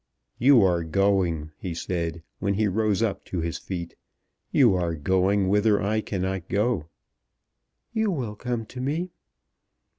"You are going," he said, when he rose up to his feet, "you are going whither I cannot go." "You will come; you will come to me."